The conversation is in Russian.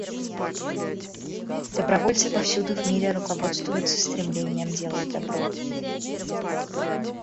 Добровольцы повсюду в мире руководствуются стремлением делать добро.